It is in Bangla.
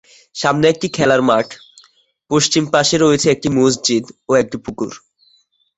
সামনে একটি খেলার মাঠ, পশ্চিম পাশে রয়েছে একটি মসজিদ ও একটি পুকুর।